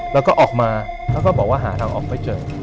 แล้วก็ออกมาเขาก็บอกว่าหาทางออกไม่เจอ